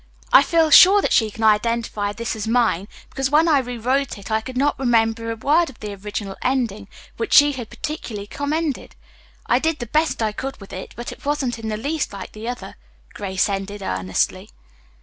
I feel sure that she can identify this as mine because when I rewrote it I could not remember a word of the original ending which she had particularly commended. I did the best I could with it, but it wasn't in the least like the other," Grace ended earnestly.